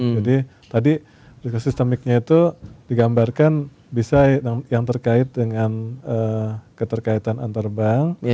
jadi tadi risiko sistemiknya itu digambarkan bisa yang terkait dengan keterkaitan antar bank